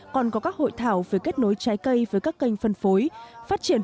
còn có các hội thảo về kết nối trái cây với các tỉnh bắc giang